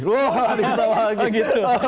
wah anissa lagi